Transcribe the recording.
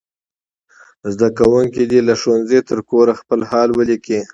زده کوونکي دې له ښوونځي تر کوره خپل حال ولیکي.